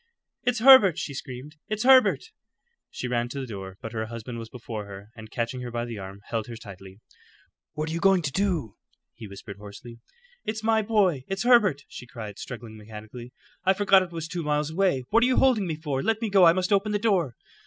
"It's Herbert!" she screamed. "It's Herbert!" She ran to the door, but her husband was before her, and catching her by the arm, held her tightly. "What are you going to do?" he whispered hoarsely. "It's my boy; it's Herbert!" she cried, struggling mechanically. "I forgot it was two miles away. What are you holding me for? Let go. I must open the door."